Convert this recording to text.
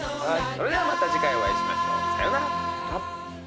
それではまた次回お会いしましょうさよなら。